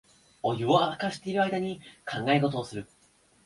お湯をわかしてる間に考え事をする